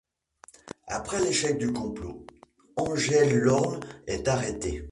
Après l'échec du complot, Engelhorn est arrêté.